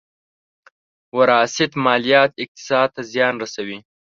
وراثت ماليات اقتصاد ته زیان رسوي.